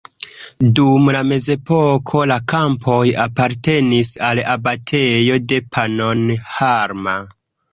Dum la mezepoko la kampoj apartenis al abatejo de Pannonhalma.